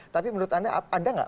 tapi menurut anda ada nggak